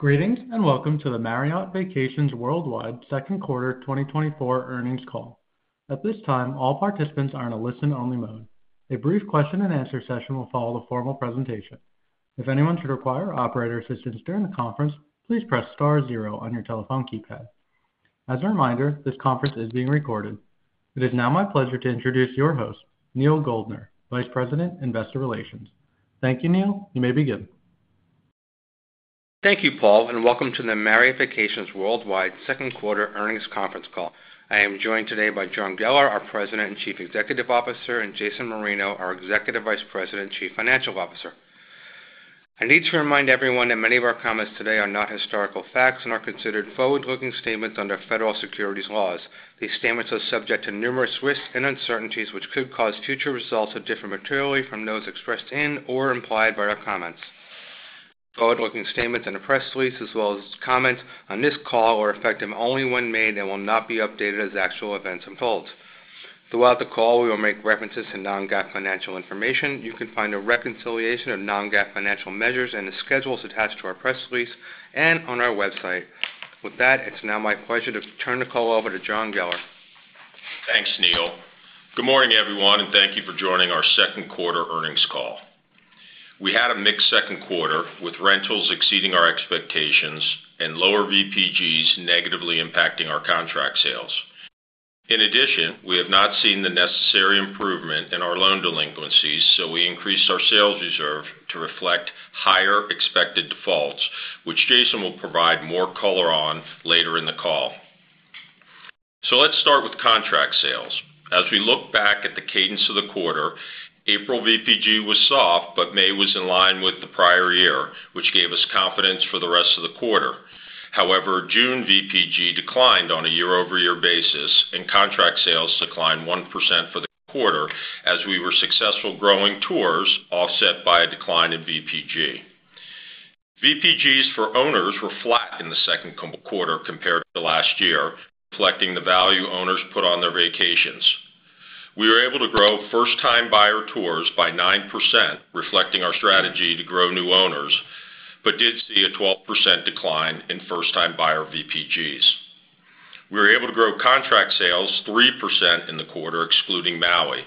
Greetings and welcome to the Marriott Vacations Worldwide Q2 2024 earnings call. At this time, all participants are in a listen-only mode. A brief question-and-answer session will follow the formal presentation. If anyone should require operator assistance during the conference, please press star zero on your telephone keypad. As a reminder, this conference is being recorded. It is now my pleasure to introduce your host, Neal Goldner, Vice President, Investor Relations. Thank you, Neal. You may begin. Thank you, Paul, and welcome to the Marriott Vacations Worldwide Q2 earnings conference call. I am joined today by John Geller, our President and Chief Executive Officer, and Jason Marino, our Executive Vice President and Chief Financial Officer. I need to remind everyone that many of our comments today are not historical facts and are considered forward-looking statements under federal securities laws. These statements are subject to numerous risks and uncertainties, which could cause future results to differ materially from those expressed in or implied by our comments. Forward-looking statements and press releases, as well as comments on this call, are effective only when made and will not be updated as actual events unfold. Throughout the call, we will make references to non-GAAP financial information. You can find a reconciliation of non-GAAP financial measures and the schedules attached to our press release and on our website. With that, it's now my pleasure to turn the call over to John Geller. Thanks, Neal. Good morning, everyone, and thank you for joining our Q2 earnings call. We had a mixed Q2 with rentals exceeding our expectations and lower VPGs negatively impacting our contract sales. In addition, we have not seen the necessary improvement in our loan delinquencies, so we increased our sales reserve to reflect higher expected defaults, which Jason will provide more color on later in the call. So let's start with contract sales. As we look back at the cadence of the quarter, April VPG was soft, but May was in line with the prior year, which gave us confidence for the rest of the quarter. However, June VPG declined on a year-over-year basis, and contract sales declined 1% for the quarter as we were successful growing tours, offset by a decline in VPG. VPGs for owners were flat in the Q2 compared to last year, reflecting the value owners put on their vacations. We were able to grow first-time buyer tours by 9%, reflecting our strategy to grow new owners, but did see a 12% decline in first-time buyer VPGs. We were able to grow contract sales 3% in the quarter, excluding Maui.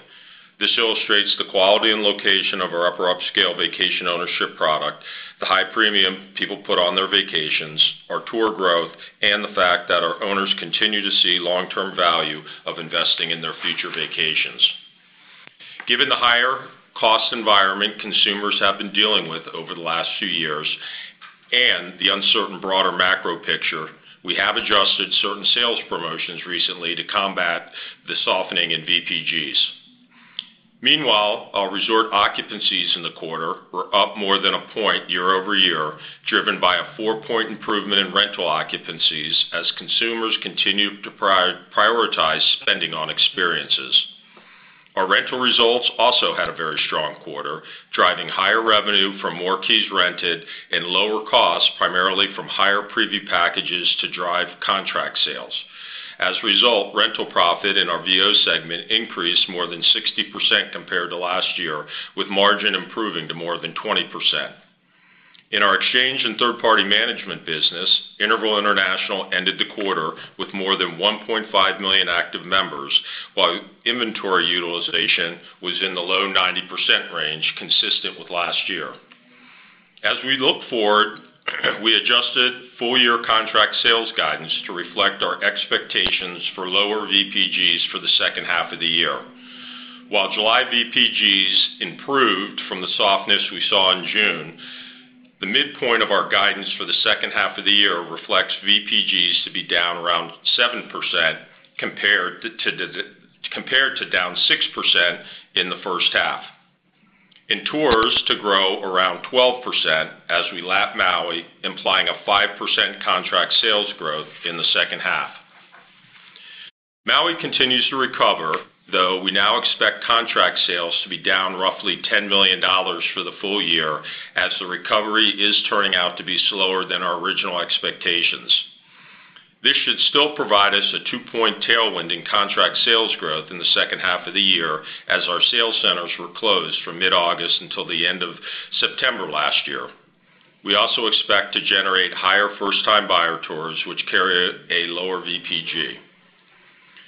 This illustrates the quality and location of our upper-upscale vacation ownership product, the high premium people put on their vacations, our tour growth, and the fact that our owners continue to see long-term value of investing in their future vacations. Given the higher cost environment consumers have been dealing with over the last few years and the uncertain broader macro picture, we have adjusted certain sales promotions recently to combat the softening in VPGs. Meanwhile, our resort occupancies in the quarter were up more than a point year-over-year, driven by a four point improvement in rental occupancies as consumers continue to prioritize spending on experiences. Our rental results also had a very strong quarter, driving higher revenue from more keys rented and lower costs, primarily from higher preview packages to drive contract sales. As a result, rental profit in our VO segment increased more than 60% compared to last year, with margin improving to more than 20%. In our exchange and third-party management business, Interval International ended the quarter with more than 1.5 million active members, while inventory utilization was in the low 90% range, consistent with last year. As we look forward, we adjusted full-year contract sales guidance to reflect our expectations for lower VPGs for the H2 of the year. While July VPGs improved from the softness we saw in June, the midpoint of our guidance for the H2 of the year reflects VPGs to be down around 7% compared to down 6% in the H1, and tours to grow around 12% as we lap Maui, implying a 5% contract sales growth H2 of the year. Maui continues to recover, though we now expect contract sales to be down roughly $10 million for the full year as the recovery is turning out to be slower than our original expectations. This should still provide us a two-point tailwind in contract sales growth in the H2 of the year as our sales centers were closed from mid-August until the end of September last year. We also expect to generate higher first-time buyer tours, which carry a lower VPG.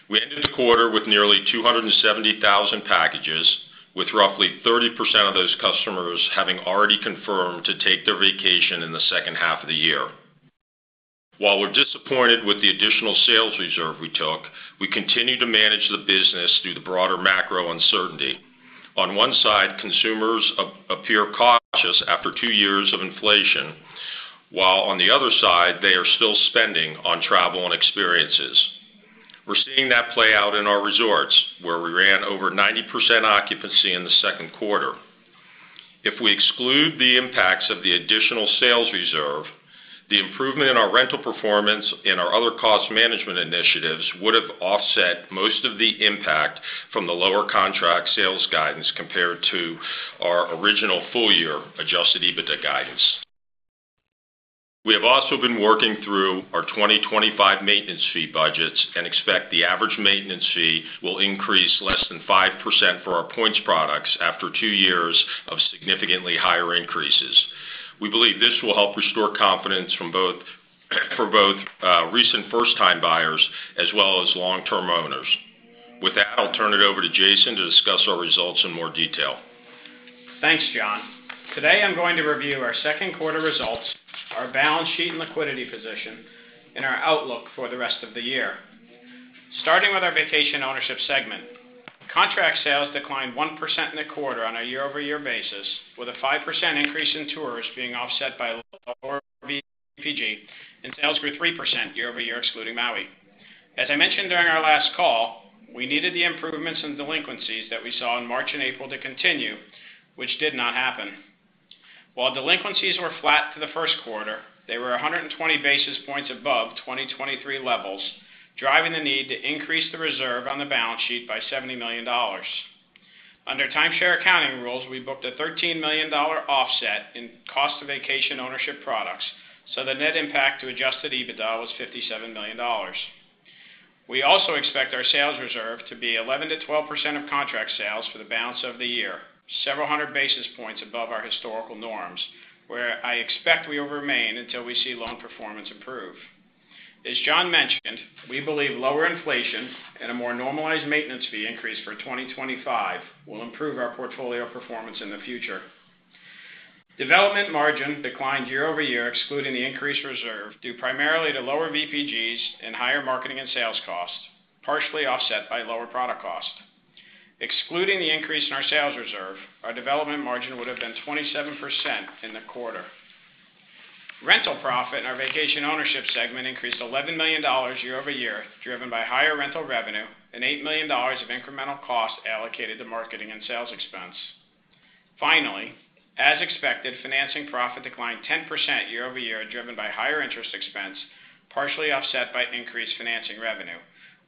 We ended the quarter with nearly 270,000 packages, with roughly 30% of those customers having already confirmed to take their vacation in the H2 of the year. While we're disappointed with the additional sales reserve we took, we continue to manage the business through the broader macro uncertainty. On one side, consumers appear cautious after two years of inflation, while on the other side, they are still spending on travel and experiences. We're seeing that play out in our resorts, where we ran over 90% occupancy in the Q2. If we exclude the impacts of the additional sales reserve, the improvement in our rental performance and our other cost management initiatives would have offset most of the impact from the lower contract sales guidance compared to our original full-year Adjusted EBITDA guidance. We have also been working through our 2025 maintenance fee budgets and expect the average maintenance fee will increase less than 5% for our points products after two years of significantly higher increases. We believe this will help restore confidence for both recent first-time buyers as well as long-term owners. With that, I'll turn it over to Jason to discuss our results in more detail. Thanks, John. Today, I'm going to review our Q2 results, our balance sheet and liquidity position, and our outlook for the rest of the year. Starting with our vacation ownership segment, contract sales declined 1% in the quarter on a year-over-year basis, with a 5% increase in tours being offset by lower VPG and sales grew 3% year-over-year excluding Maui. As I mentioned during our last call, we needed the improvements in delinquencies that we saw in March and April to continue, which did not happen. While delinquencies were flat for the Q1, they were 120 basis points above 2023 levels, driving the need to increase the reserve on the balance sheet by $70 million. Under timeshare accounting rules, we booked a $13 million offset in cost of vacation ownership products, so the net impact to Adjusted EBITDA was $57 million. We also expect our sales reserve to be 11% to 12% of contract sales for the balance of the year, several hundred basis points above our historical norms, where I expect we will remain until we see loan performance improve. As John mentioned, we believe lower inflation and a more normalized maintenance fee increase for 2025 will improve our portfolio performance in the future. Development margin declined year-over-year, excluding the increased reserve, due primarily to lower VPGs and higher marketing and sales costs, partially offset by lower product cost. Excluding the increase in our sales reserve, our development margin would have been 27% in the quarter. Rental profit in our vacation ownership segment increased $11 million year-over-year, driven by higher rental revenue and $8 million of incremental costs allocated to marketing and sales expense. Finally, as expected, financing profit declined 10% year-over-year, driven by higher interest expense, partially offset by increased financing revenue,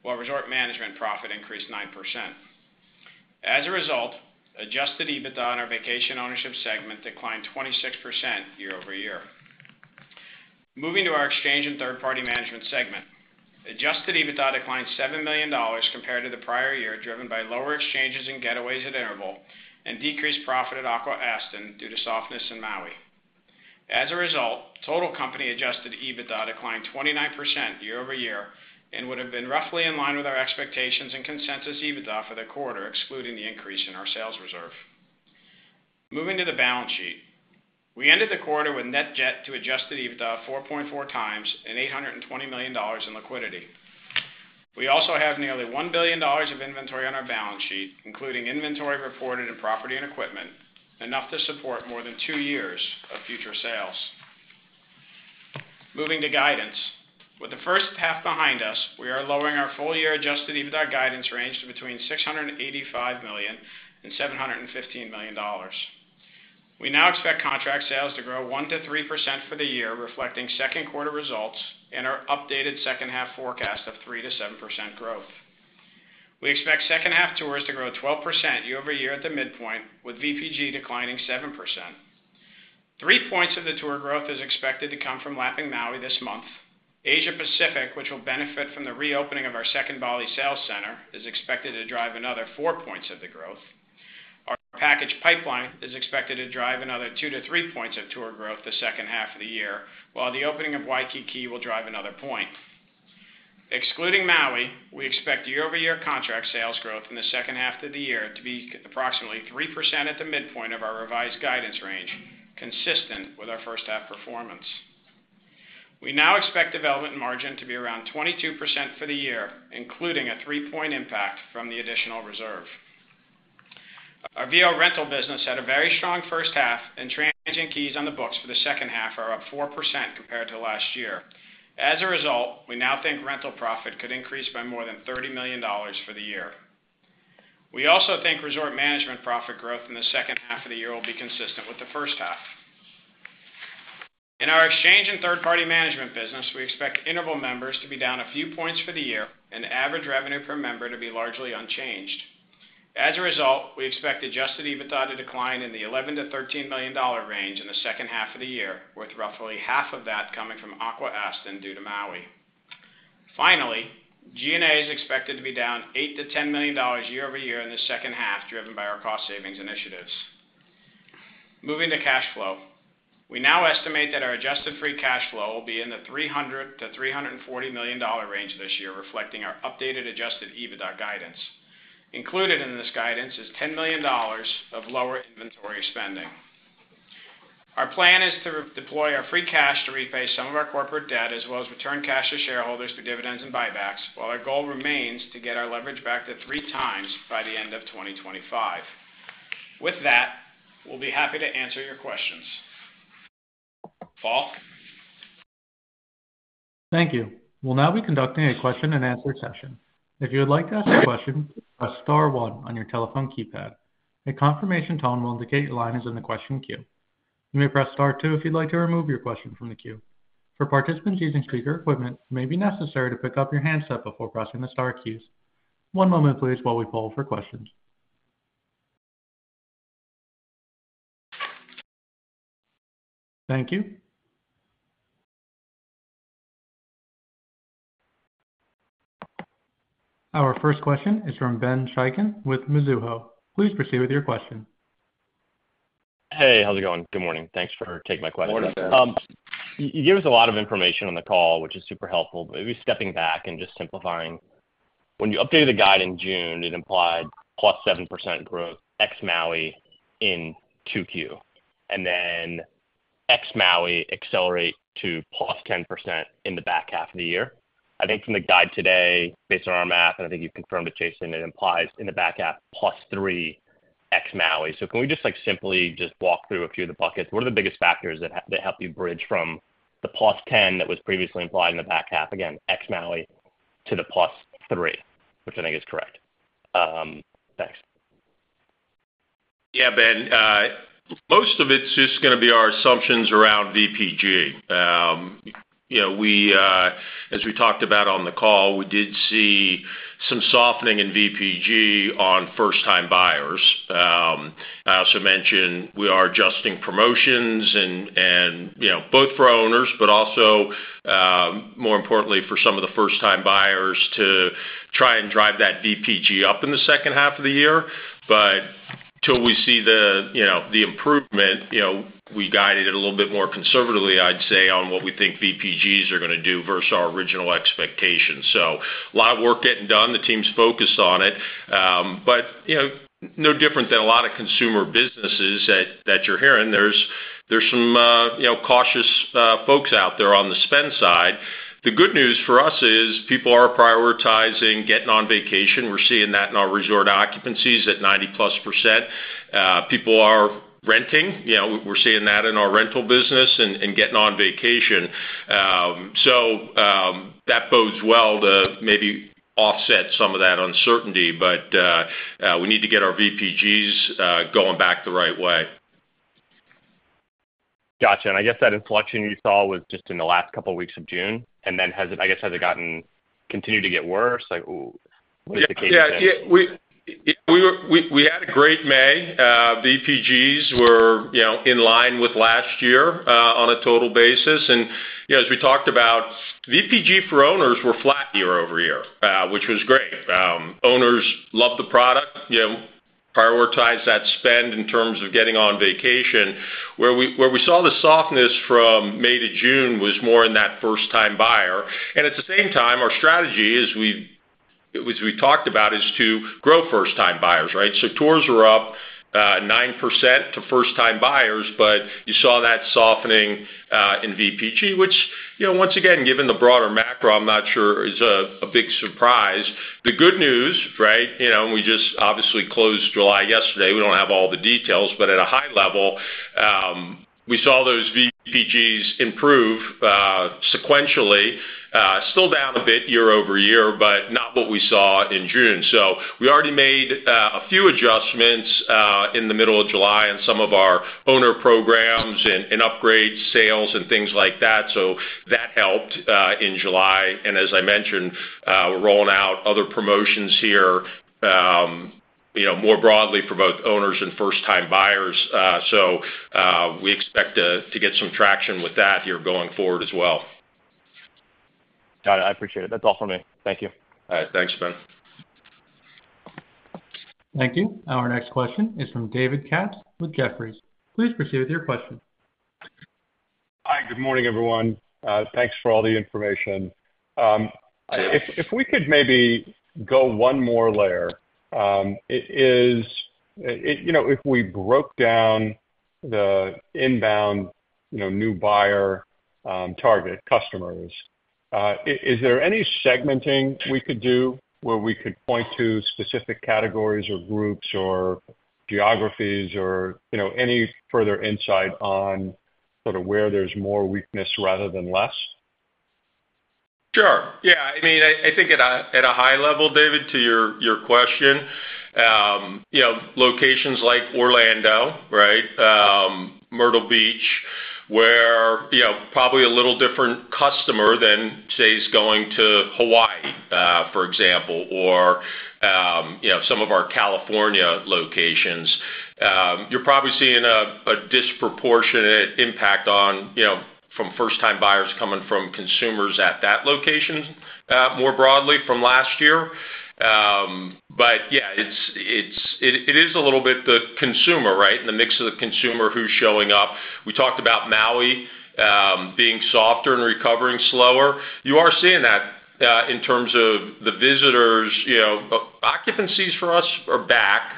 while resort management profit increased 9%. As a result, Adjusted EBITDA on our vacation ownership segment declined 26% year-over-year. Moving to our exchange and third-party management segment, Adjusted EBITDA declined $7 million compared to the prior year, driven by lower exchanges and getaways at Interval and decreased profit at Aqua-Aston due to softness in Maui. As a result, total company Adjusted EBITDA declined 29% year-over-year and would have been roughly in line with our expectations and consensus EBITDA for the quarter, excluding the increase in our sales reserve. Moving to the balance sheet, we ended the quarter with net debt to Adjusted EBITDA of 4.4x and $820 million in liquidity. We also have nearly $1 billion of inventory on our balance sheet, including inventory reported in property and equipment, enough to support more than two years of future sales. Moving to guidance, with the H1 behind us, we are lowering our full-year adjusted EBITDA guidance range to between $685 million and $715 million. We now expect contract sales to grow 1% to 3% for the year, reflecting Q2 results and our updated H2 forecast of 3% to 7% growth. We expect H2 tours to grow 12% year-over-year at the midpoint, with VPG declining 7%. Three points of the tour growth is expected to come from lapping Maui this month. Asia Pacific, which will benefit from the reopening of our second Bali sales center, is expected to drive another four points of the growth. Our package pipeline is expected to drive another 2 to 3 points of tour growth the H2 of the year, while the opening of Waikiki will drive another point. Excluding Maui, we expect year-over-year contract sales growth in the H2 of the year to be approximately 3% at the midpoint of our revised guidance range, consistent with our H1 performance. We now expect development margin to be around 22% for the year, including a three-point impact from the additional reserve. Our VO rental business had a very strong H1, and transient keys on the books for the H2 are up 4% compared to last year. As a result, we now think rental profit could increase by more than $30 million for the year. We also think resort management profit growth in the H2 of the year will be consistent with the H1. In our exchange and third-party management business, we expect Interval members to be down a few points for the year and average revenue per member to be largely unchanged. As a result, we expect Adjusted EBITDA to decline in the $11 to 13 million range in the H2 of the year, with roughly half of that coming from Aqua-Aston due to Maui. Finally, G&A is expected to be down $8 to 10 million year-over-year in the H2, driven by our cost savings initiatives. Moving to cash flow, we now estimate that our Adjusted Free Cash Flow will be in the $300 to 340 million range this year, reflecting our updated Adjusted EBITDA guidance. Included in this guidance is $10 million of lower inventory spending. Our plan is to deploy our free cash to repay some of our corporate debt, as well as return cash to shareholders through dividends and buybacks, while our goal remains to get our leverage back to 3x by the end of 2025. With that, we'll be happy to answer your questions. Paul? Thank you. We'll now be conducting a question-and-answer session. If you would like to ask a question, press star one on your telephone keypad. A confirmation tone will indicate your line is in the question queue. You may press star two if you'd like to remove your question from the queue. For participants using speaker equipment, it may be necessary to pick up your handset before pressing the star keys. One moment, please, while we poll for questions. Thank you. Our first question is from Ben Chaiken with Mizuho. Please proceed with your question. Hey, how's it going? Good morning. Thanks for taking my question. You gave us a lot of information on the call, which is super helpful, but maybe stepping back and just simplifying. When you updated the guide in June, it implied +7% growth ex-Maui in Q2, and then ex-Maui accelerate to +10% in the back half of the year. I think from the guide today, based on our math, and I think you've confirmed it, Jason, it implies in the back half +3 ex-Maui. So can we just simply just walk through a few of the buckets? What are the biggest factors that help you bridge from the +10 that was previously implied in the back half, again, ex-Maui, to the +3, which I think is correct? Thanks. Yeah, Ben. Most of it's just going to be our assumptions around VPG. As we talked about on the call, we did see some softening in VPG on first-time buyers. I also mentioned we are adjusting promotions both for owners, but also, more importantly, for some of the first-time buyers to try and drive that VPG up in the H2 of the year. But until we see the improvement, we guided it a little bit more conservatively, I'd say, on what we think VPGs are going to do versus our original expectations. So a lot of work getting done. The team's focused on it, but no different than a lot of consumer businesses that you're hearing. There's some cautious folks out there on the spend side. The good news for us is people are prioritizing getting on vacation. We're seeing that in our resort occupancies at 90%+. People are renting. We're seeing that in our rental business and getting on vacation. So that bodes well to maybe offset some of that uncertainty, but we need to get our VPGs going back the right way. Gotcha. I guess that inflection you saw was just in the last couple of weeks of June, and then I guess has it continued to get worse? What is the case there? Yeah. We had a great May. VPGs were in line with last year on a total basis. And as we talked about, VPG for owners were flat year-over-year, which was great. Owners loved the product, prioritized that spend in terms of getting on vacation. Where we saw the softness from May to June was more in that first-time buyer. And at the same time, our strategy, as we talked about, is to grow first-time buyers, right? So tours were up 9% to first-time buyers, but you saw that softening in VPG, which, once again, given the broader macro, I'm not sure is a big surprise. The good news, right? We just obviously closed July yesterday. We don't have all the details, but at a high level, we saw those VPGs improve sequentially, still down a bit year-over-year, but not what we saw in June. So we already made a few adjustments in the middle of July in some of our owner programs and upgrades, sales, and things like that. So that helped in July. And as I mentioned, we're rolling out other promotions here more broadly for both owners and first-time buyers. So we expect to get some traction with that here going forward as well. Got it. I appreciate it. That's all from me. Thank you. All right. Thanks, Ben. Thank you. Our next question is from David Katz with Jefferies. Please proceed with your question. Hi. Good morning, everyone. Thanks for all the information. If we could maybe go one more layer, if we broke down the inbound new buyer target customers, is there any segmenting we could do where we could point to specific categories or groups or geographies or any further insight on sort of where there's more weakness rather than less? Sure. Yeah. I mean, I think at a high level, David, to your question, locations like Orlando, right, Myrtle Beach, where probably a little different customer than, say, is going to Hawaii, for example, or some of our California locations, you're probably seeing a disproportionate impact from first-time buyers coming from consumers at that location more broadly from last year. But yeah, it is a little bit the consumer, right, and the mix of the consumer who's showing up. We talked about Maui being softer and recovering slower. You are seeing that in terms of the visitors. Occupancies for us are back,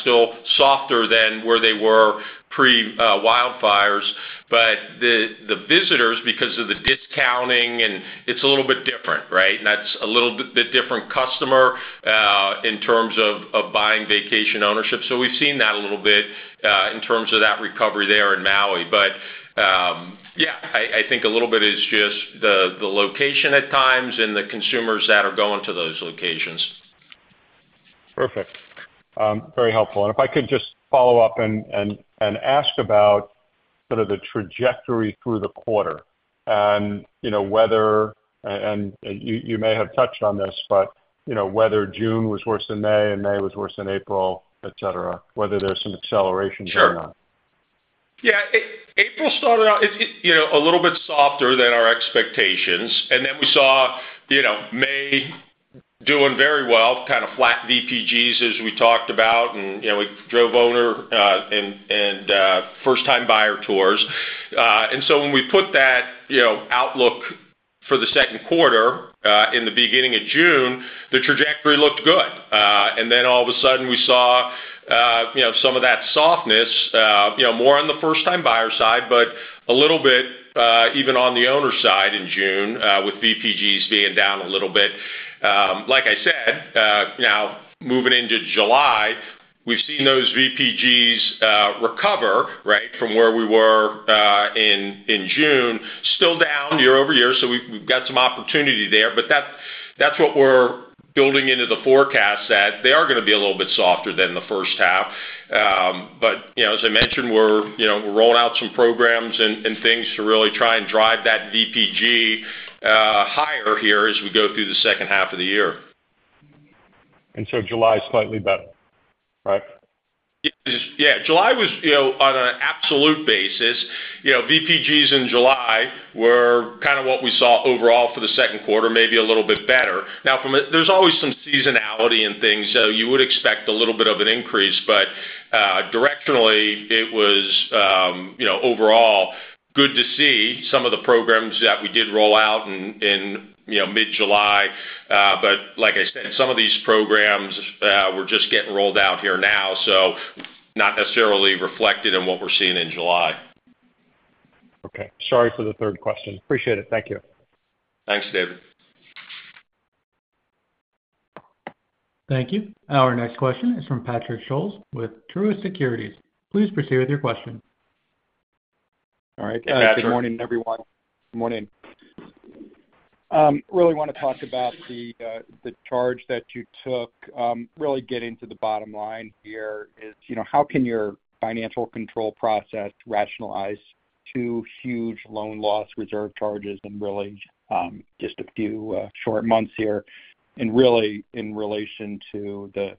still softer than where they were pre-wildfires, but the visitors, because of the discounting, and it's a little bit different, right? And that's a little bit different customer in terms of buying vacation ownership. So we've seen that a little bit in terms of that recovery there in Maui. But yeah, I think a little bit is just the location at times and the consumers that are going to those locations. Perfect. Very helpful. If I could just follow up and ask about sort of the trajectory through the quarter and whether, and you may have touched on this but whether June was worse than May and May was worse than April, etc, whether there's some acceleration there or not. Yeah. April started out a little bit softer than our expectations, and then we saw May doing very well, kind of flat VPGs as we talked about, and we drove owner and first-time buyer tours. And so when we put that outlook for the Q2 in the beginning of June, the trajectory looked good. And then all of a sudden, we saw some of that softness more on the first-time buyer side, but a little bit even on the owner side in June with VPGs being down a little bit. Like I said, now moving into July, we've seen those VPGs recover, right, from where we were in June, still down year-over-year. So we've got some opportunity there. But that's what we're building into the forecast, that they are going to be a little bit softer than the H1. But as I mentioned, we're rolling out some programs and things to really try and drive that VPG higher here as we go through the H2 of the year. And so July is slightly better, right? Yeah. July was on an absolute basis. VPGs in July were kind of what we saw overall for the Q2, maybe a little bit better. Now, there's always some seasonality and things, so you would expect a little bit of an increase. But directionally, it was overall good to see some of the programs that we did roll out in mid-July. But like I said, some of these programs were just getting rolled out here now, so not necessarily reflected in what we're seeing in July. Okay. Sorry for the third question. Appreciate it. Thank you. Thanks, David. Thank you. Our next question is from Patrick Scholes with Truist Securities. Please proceed with your question. All right. Good morning, everyone. Good morning. Really want to talk about the charge that you took. Really getting to the bottom line here is how can your financial control process rationalize two huge loan loss reserve charges in really just a few short months here and really in relation to the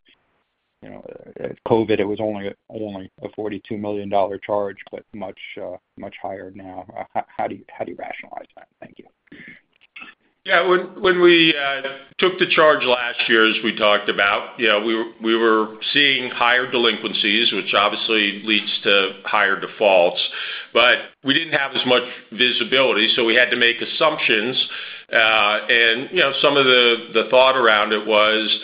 COVID? It was only a $42 million charge, but much higher now. How do you rationalize that? Thank you. Yeah. When we took the charge last year, as we talked about, we were seeing higher delinquencies, which obviously leads to higher defaults. But we didn't have as much visibility, so we had to make assumptions. And some of the thought around it was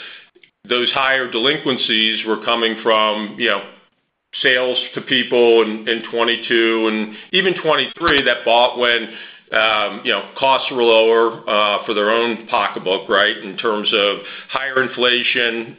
those higher delinquencies were coming from sales to people in 2022 and even 2023 that bought when costs were lower for their own pocketbook, right, in terms of higher inflation.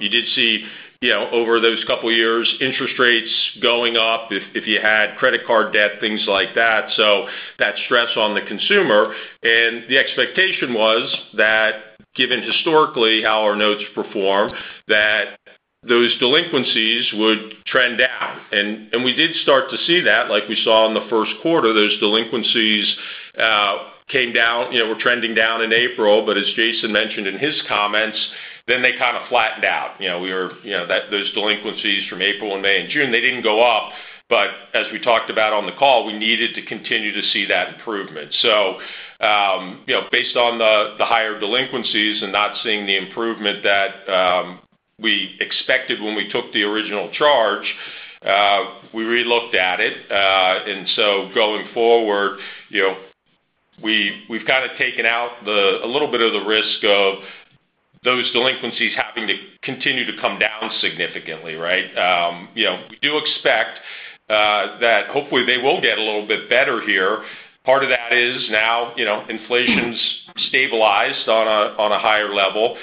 You did see over those couple of years interest rates going up if you had credit card debt, things like that. So that stress on the consumer. And the expectation was that, given historically how our notes perform, that those delinquencies would trend down. And we did start to see that. Like we saw in the Q1, those delinquencies came down. We're trending down in April, but as Jason mentioned in his comments, then they kind of flattened out. Those delinquencies from April and May and June, they didn't go up. But as we talked about on the call, we needed to continue to see that improvement. So based on the higher delinquencies and not seeing the improvement that we expected when we took the original charge, we re-looked at it. And so going forward, we've kind of taken out a little bit of the risk of those delinquencies having to continue to come down significantly, right? We do expect that hopefully they will get a little bit better here. Part of that is now inflation's stabilized on a higher level.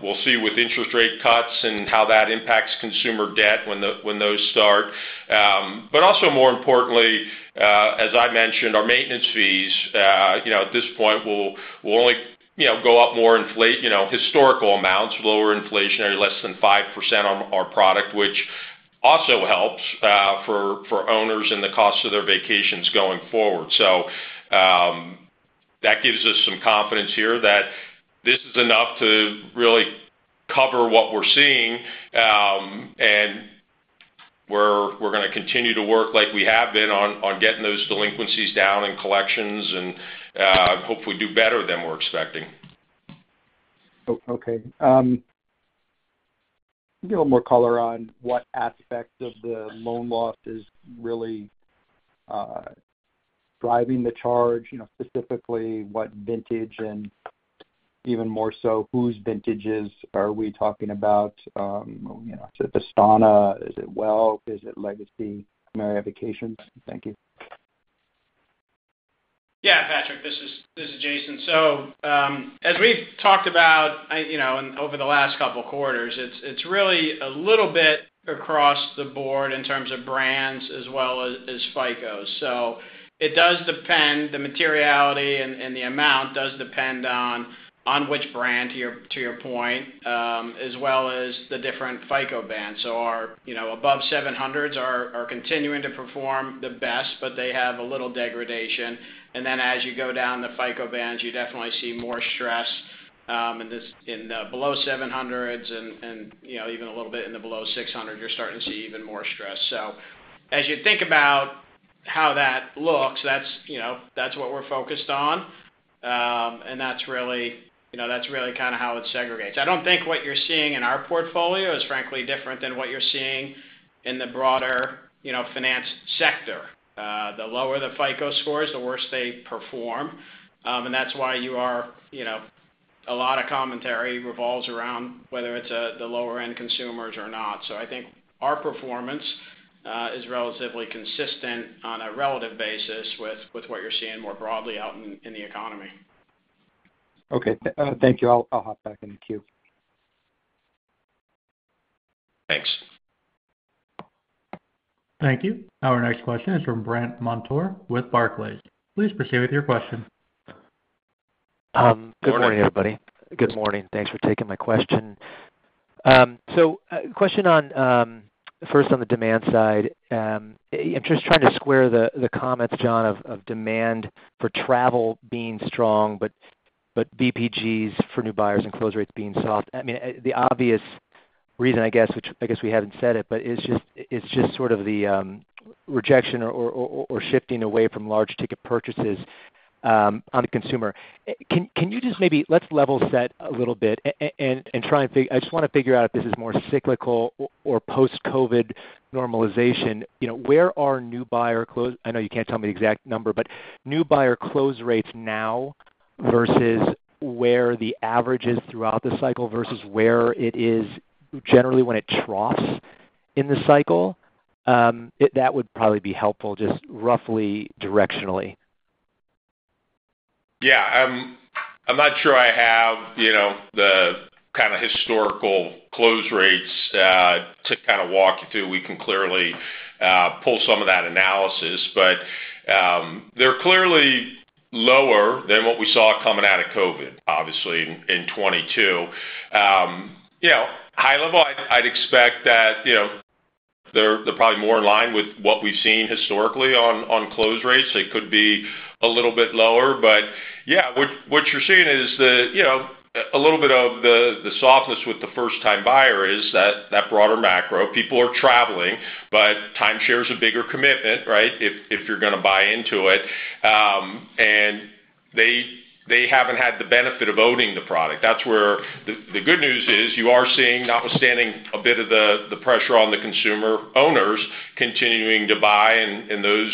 We'll see with interest rate cuts and how that impacts consumer debt when those start. But also more importantly, as I mentioned, our maintenance fees at this point will only go up more in historical amounts, lower inflation, less than 5% on our product, which also helps for owners and the costs of their vacations going forward. So that gives us some confidence here that this is enough to really cover what we're seeing. And we're going to continue to work like we have been on getting those delinquencies down and collections and hopefully do better than we're expecting. Okay. Give a little more color on what aspect of the loan loss is really driving the charge, specifically what vintage and even more so whose vintages are we talking about? Is it Vistana? Is it Welk? Is it Legacy? Marriott Vacations? Thank you. Yeah, Patrick, this is Jason. So as we've talked about over the last couple of quarters, it's really a little bit across the board in terms of brands as well as FICOs. So it does depend. The materiality and the amount does depend on which brand, to your point, as well as the different FICO bands. So our above 700s are continuing to perform the best, but they have a little degradation. And then as you go down the FICO bands, you definitely see more stress in the below 700s and even a little bit in the below 600. You're starting to see even more stress. So as you think about how that looks, that's what we're focused on. And that's really kind of how it segregates. I don't think what you're seeing in our portfolio is frankly different than what you're seeing in the broader finance sector. The lower the FICO scores, the worse they perform. That's why a lot of commentary revolves around whether it's the lower-end consumers or not. I think our performance is relatively consistent on a relative basis with what you're seeing more broadly out in the economy. Okay. Thank you. I'll hop back in the queue. Thanks. Thank you. Our next question is from Brandt Montour with Barclays. Please proceed with your question. Good morning, everybody. Good morning. Thanks for taking my question. So, question first on the demand side. I'm just trying to square the comments, John, of demand for travel being strong, but VPGs for new buyers and close rates being soft. I mean, the obvious reason, I guess, which I guess we haven't said it, but it's just sort of the rejection or shifting away from large ticket purchases on the consumer. Can you just maybe let's level set a little bit and try and figure? I just want to figure out if this is more cyclical or post-COVID normalization. Where are new buyer close? I know you can't tell me the exact number, but new buyer close rates now versus where the average is throughout the cycle versus where it is generally when it troughs in the cycle? That would probably be helpful just roughly directionally. Yeah. I'm not sure I have the kind of historical close rates to kind of walk you through. We can clearly pull some of that analysis. But they're clearly lower than what we saw coming out of COVID, obviously, in 2022. High level, I'd expect that they're probably more in line with what we've seen historically on close rates. They could be a little bit lower. But yeah, what you're seeing is a little bit of the softness with the first-time buyer is that broader macro. People are traveling, but timeshare is a bigger commitment, right, if you're going to buy into it. And they haven't had the benefit of owning the product. That's where the good news is you are seeing, notwithstanding a bit of the pressure on the consumer owners continuing to buy in those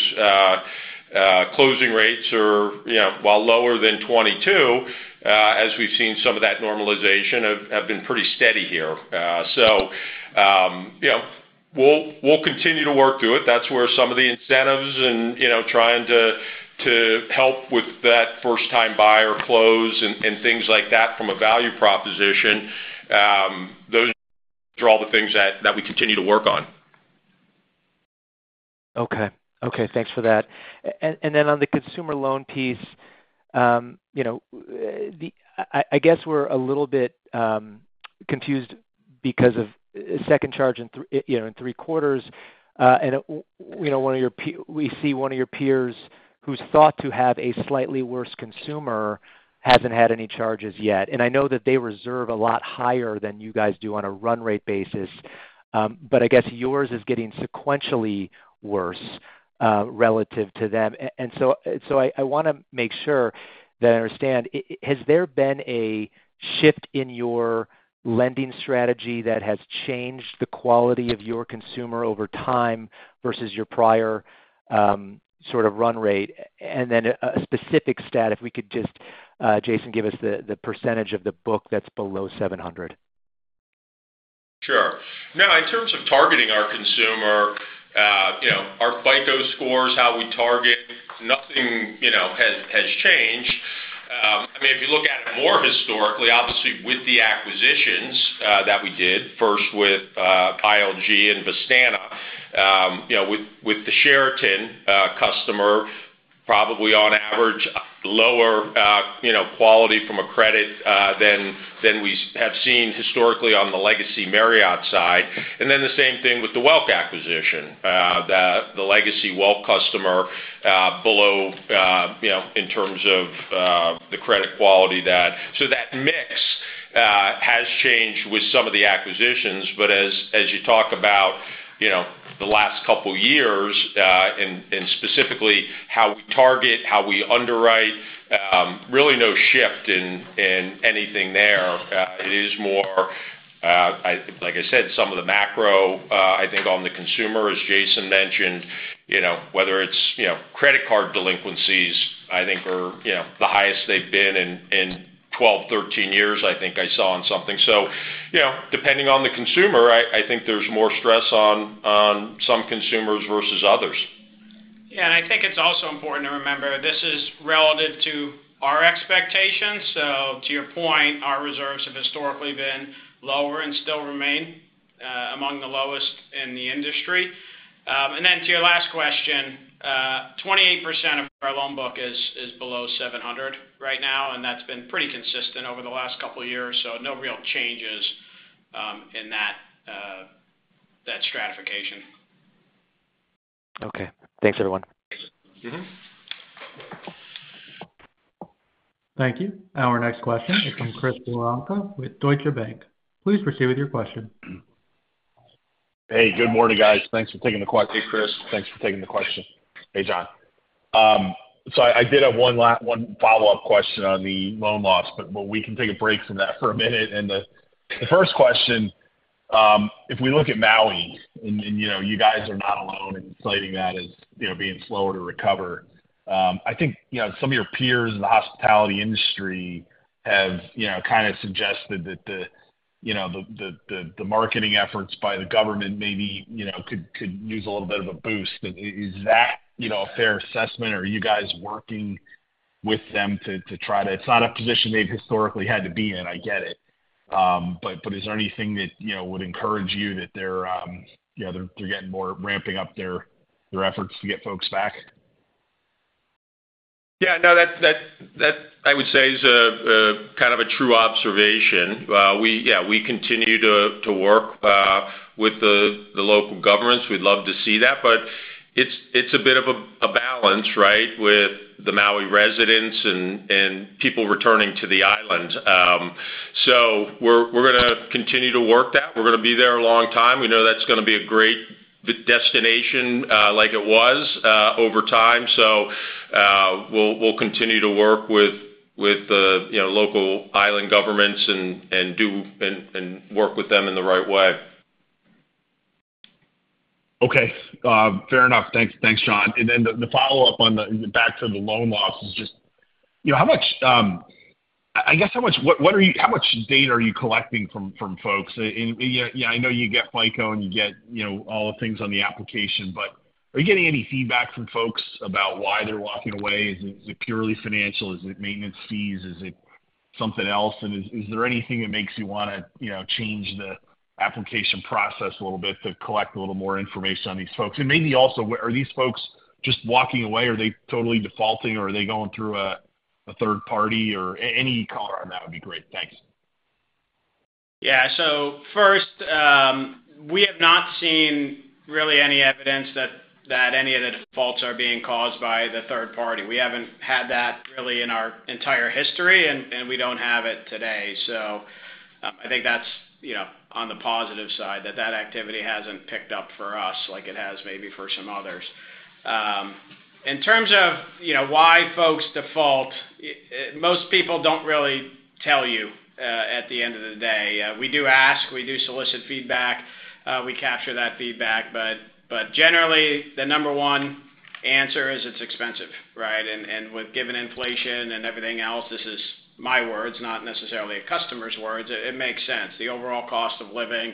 closing rates or while lower than 2022, as we've seen some of that normalization have been pretty steady here. So we'll continue to work through it. That's where some of the incentives and trying to help with that first-time buyer close and things like that from a value proposition. Those are all the things that we continue to work on. Okay. Okay. Thanks for that. And then on the consumer loan piece, I guess we're a little bit confused because of second charge in three quarters. And we see one of your peers who's thought to have a slightly worse consumer hasn't had any charges yet. And I know that they reserve a lot higher than you guys do on a run rate basis. But I guess yours is getting sequentially worse relative to them. And so I want to make sure that I understand. Has there been a shift in your lending strategy that has changed the quality of your consumer over time versus your prior sort of run rate? And then a specific stat, if we could just, Jason, give us the percentage of the book that's below 700. Sure. Now, in terms of targeting our consumer, our FICO scores, how we target, nothing has changed. I mean, if you look at it more historically, obviously with the acquisitions that we did, first with ILG and Vistana, with the Sheraton customer, probably on average lower quality from a credit than we have seen historically on the Legacy Marriott side. And then the same thing with the Welk acquisition, the Legacy Welk customer below in terms of the credit quality that so that mix has changed with some of the acquisitions. But as you talk about the last couple of years and specifically how we target, how we underwrite, really no shift in anything there. It is more, like I said, some of the macro, I think, on the consumer, as Jason mentioned, whether it's credit card delinquencies, I think, are the highest they've been in 12, 13 years, I think I saw on something. So depending on the consumer, I think there's more stress on some consumers versus others. Yeah. I think it's also important to remember this is relative to our expectations. To your point, our reserves have historically been lower and still remain among the lowest in the industry. Then to your last question, 28% of our loan book is below 700 right now. That's been pretty consistent over the last couple of years. No real changes in that stratification. Okay. Thanks, everyone. Thank you. Our next question is from Chris Woronka with Deutsche Bank. Please proceed with your question. Hey, good morning, guys. Thanks for taking the question. Hey, Chris. Thanks for taking the question. Hey, John. So I did have one follow-up question on the loan loss, but we can take a break from that for a minute. The first question, if we look at Maui, and you guys are not alone in citing that as being slower to recover. I think some of your peers in the hospitality industry have kind of suggested that the marketing efforts by the government maybe could use a little bit of a boost. Is that a fair assessment? Are you guys working with them to try to. It's not a position they've historically had to be in, I get it. But is there anything that would encourage you that they're getting more ramping up their efforts to get folks back? Yeah. No, I would say it's kind of a true observation. Yeah, we continue to work with the local governments. We'd love to see that. But it's a bit of a balance, right, with the Maui residents and people returning to the island. So we're going to continue to work that. We're going to be there a long time. We know that's going to be a great destination like it was over time. So we'll continue to work with the local island governments and work with them in the right way. Okay. Fair enough. Thanks, John. And then the follow-up back to the loan loss is just how much. I guess how much. What are you. How much data are you collecting from folks? Yeah, I know you get FICO and you get all the things on the application, but are you getting any feedback from folks about why they're walking away? Is it purely financial? Is it maintenance fees? Is it something else? Is there anything that makes you want to change the application process a little bit to collect a little more information on these folks? And maybe also, are these folks just walking away? Are they totally defaulting? Or are they going through a third party? Or any color on that would be great. Thanks. Yeah. So first, we have not seen really any evidence that any of the defaults are being caused by the third party. We haven't had that really in our entire history, and we don't have it today. So I think that's on the positive side that that activity hasn't picked up for us like it has maybe for some others. In terms of why folks default, most people don't really tell you at the end of the day. We do ask. We do solicit feedback. We capture that feedback. But generally, the number one answer is it's expensive, right? And with given inflation and everything else, this is my words, not necessarily a customer's words. It makes sense. The overall cost of living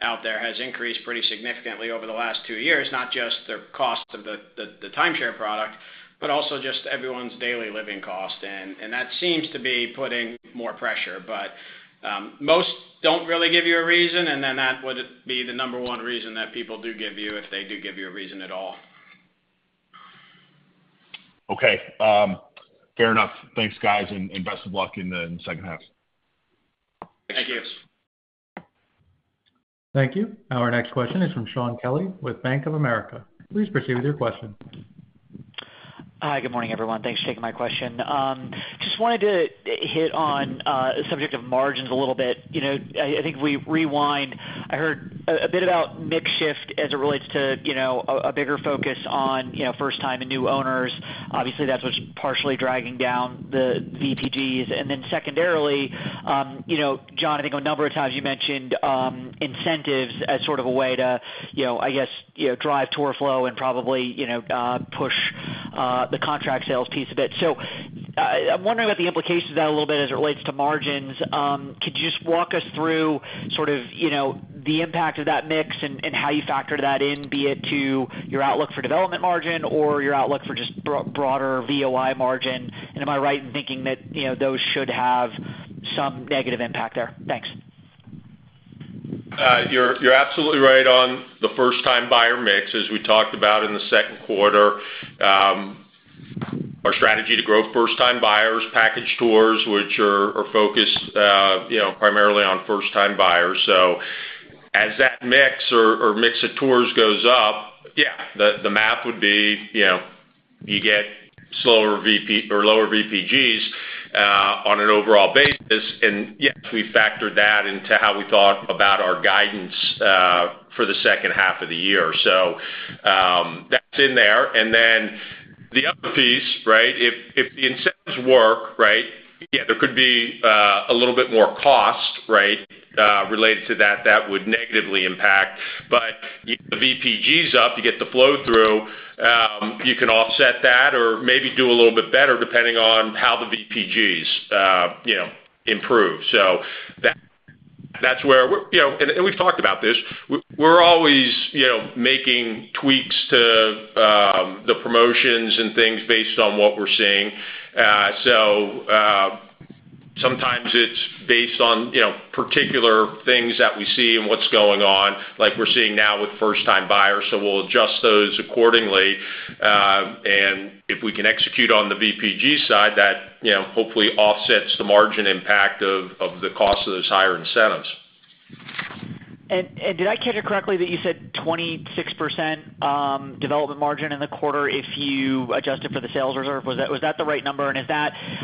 out there has increased pretty significantly over the last two years, not just the cost of the timeshare product, but also just everyone's daily living cost. That seems to be putting more pressure. Most don't really give you a reason, and then that would be the number one reason that people do give you if they do give you a reason at all. Okay. Fair enough. Thanks, guys, and best of luck in the H2. Thank you. Thank you. Our next question is from Shaun Kelley with Bank of America. Please proceed with your question. Hi. Good morning, everyone. Thanks for taking my question. Just wanted to hit on the subject of margins a little bit. I think we rewind. I heard a bit about mix shift as it relates to a bigger focus on first-time and new owners. Obviously, that's what's partially dragging down the VPGs. And then secondarily, John, I think a number of times you mentioned incentives as sort of a way to, I guess, drive tour flow and probably push the contract sales piece of it. So I'm wondering about the implications of that a little bit as it relates to margins. Could you just walk us through sort of the impact of that mix and how you factored that in, be it to your outlook for development margin or your outlook for just broader VOI margin? And am I right in thinking that those should have some negative impact there? Thanks. You're absolutely right on the first-time buyer mix, as we talked about in the Q2. Our strategy to grow first-time buyers package tours, which are focused primarily on first-time buyers. So as that mix or mix of tours goes up, yeah, the math would be you get slower or lower VPGs on an overall basis. And yes, we factored that into how we thought about our guidance for the H2 of the year. So that's in there. And then the other piece, right? If the incentives work, right, yeah, there could be a little bit more cost, right, related to that that would negatively impact. But if the VPG's up, you get the flow through, you can offset that or maybe do a little bit better depending on how the VPGs improve. So that's where we're, and we've talked about this. We're always making tweaks to the promotions and things based on what we're seeing. So sometimes it's based on particular things that we see and what's going on, like we're seeing now with first-time buyers. So we'll adjust those accordingly. And if we can execute on the VPG side, that hopefully offsets the margin impact of the cost of those higher incentives. Did I catch it correctly that you said 26% development margin in the quarter if you adjusted for the sales reserve? Was that the right number? And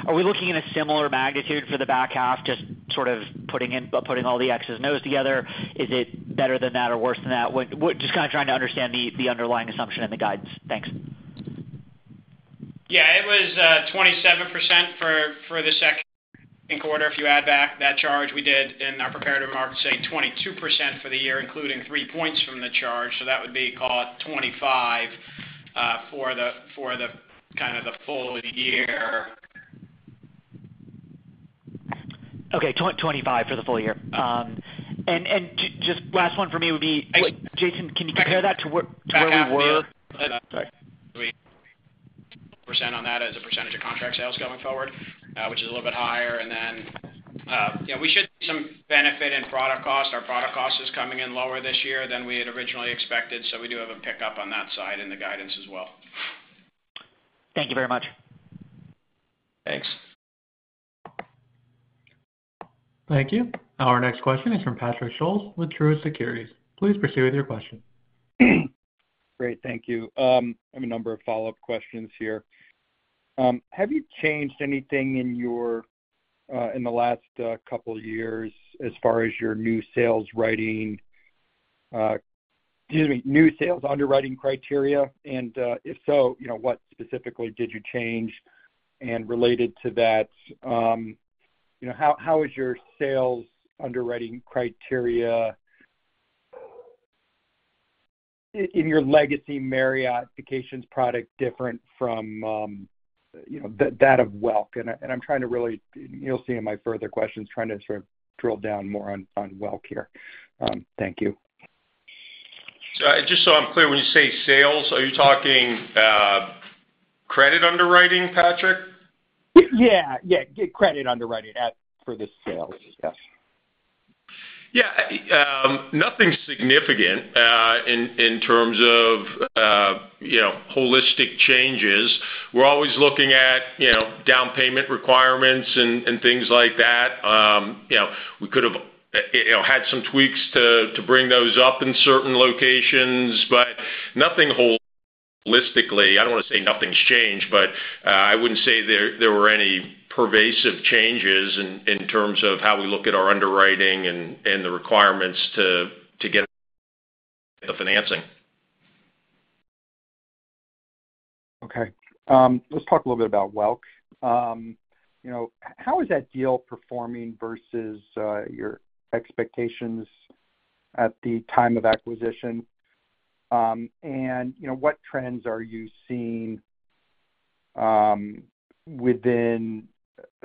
are we looking at a similar magnitude for the back half, just sort of putting all the X's and O's together? Is it better than that or worse than that? Just kind of trying to understand the underlying assumption and the guidance. Thanks. Yeah. It was 27% for the Q2. If you add back that charge we did in our prepared remarks, say 22% for the year, including three-points from the charge. So that would be called 25% for kind of the full year. Okay. 25% for the full year. Just last one for me would be, Jason, can you compare that to where we were? [inaudible] on that as a percentage of contract sales going forward, which is a little bit higher. And then we should see some benefit in product cost. Our product cost is coming in lower this year than we had originally expected. So we do have a pickup on that side in the guidance as well. Thank you very much. Thanks. Thank you. Our next question is from Patrick Scholes with Truist Securities. Please proceed with your question. Great. Thank you. I have a number of follow-up questions here. Have you changed anything in the last couple of years as far as your new sales writing, excuse me, new sales underwriting criteria? And if so, what specifically did you change? And related to that, how is your sales underwriting criteria in your Legacy Marriott Vacations product different from that of Welk? And I'm trying to really, you'll see in my further questions, trying to sort of drill down more on Welk here. Thank you. Just so I'm clear, when you say sales, are you talking credit underwriting, Patrick? Yeah. Yeah. Credit underwriting for the sales. Yes. Yeah. Nothing significant in terms of holistic changes. We're always looking at down payment requirements and things like that. We could have had some tweaks to bring those up in certain locations, but nothing holistically. I don't want to say nothing's changed, but I wouldn't say there were any pervasive changes in terms of how we look at our underwriting and the requirements to get the financing. Okay. Let's talk a little bit about Welk. How is that deal performing versus your expectations at the time of acquisition? And what trends are you seeing within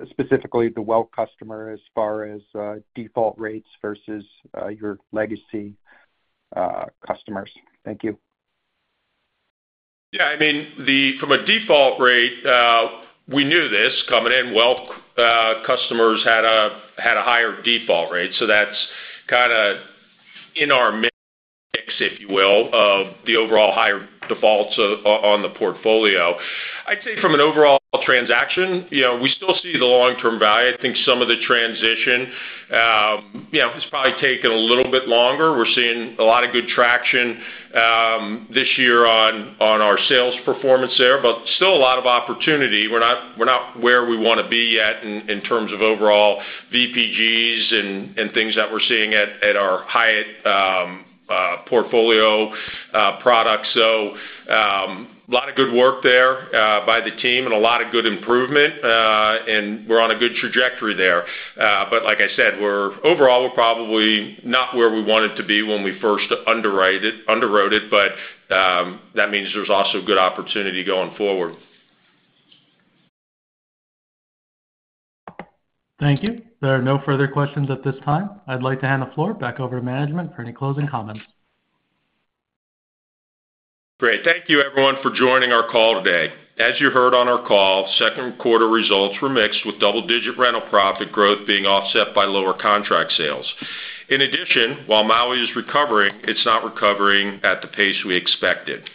specifically the Welk customer as far as default rates versus your Legacy customers? Thank you. Yeah. I mean, from a default rate, we knew this coming in. Welk customers had a higher default rate. So that's kind of in our mix, if you will, of the overall higher defaults on the portfolio. I'd say from an overall transaction, we still see the long-term value. I think some of the transition has probably taken a little bit longer. We're seeing a lot of good traction this year on our sales performance there, but still a lot of opportunity. We're not where we want to be yet in terms of overall VPGs and things that we're seeing at our Hyatt portfolio products. So a lot of good work there by the team and a lot of good improvement. We're on a good trajectory there. But like I said, overall, we're probably not where we wanted to be when we first underwrote it, but that means there's also good opportunity going forward. Thank you. There are no further questions at this time. I'd like to hand the floor back over to management for any closing comments. Great. Thank you, everyone, for joining our call today. As you heard on our call, Q2 results were mixed with double-digit rental profit growth being offset by lower contract sales. In addition, while Maui is recovering, it's not recovering at the pace we expected.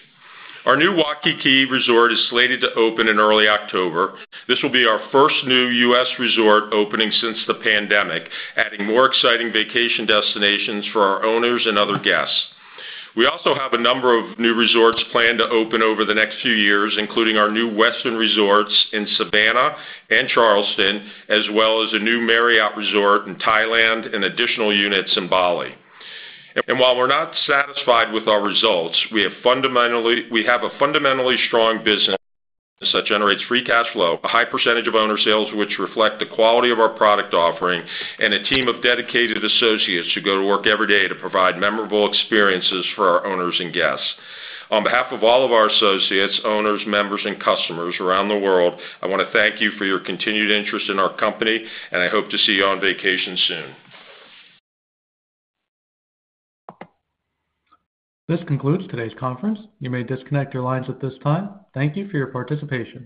Our new Waikiki resort is slated to open in early October. This will be our first new US resort opening since the pandemic, adding more exciting vacation destinations for our owners and other guests. We also have a number of new resorts planned to open over the next few years, including our new Westin resorts in Savannah and Charleston, as well as a new Marriott resort in Thailand and additional units in Bali. And while we're not satisfied with our results, we have a fundamentally strong business that generates free cash flow, a high percentage of owner sales, which reflect the quality of our product offering, and a team of dedicated associates who go to work every day to provide memorable experiences for our owners and guests. On behalf of all of our associates, owners, members, and customers around the world, I want to thank you for your continued interest in our company, and I hope to see you on vacation soon. This concludes today's conference. You may disconnect your lines at this time. Thank you for your participation.